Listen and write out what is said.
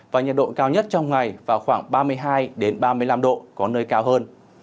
và nhiệt độ cao nhất trong ngày vào khoảng ba mươi hai ba mươi năm độ có nơi cao hơn